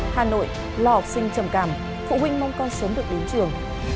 hà nội lo học sinh trầm cảm phụ huynh mong con sớm được đến trường